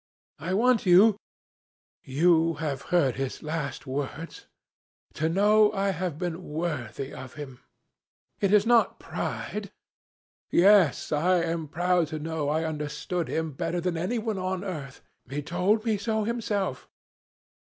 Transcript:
I want you you who have heard his last words to know I have been worthy of him. ... It is not pride. ... Yes! I am proud to know I understood him better than anyone on earth he told me so himself.